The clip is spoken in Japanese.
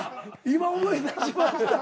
今思い出しました。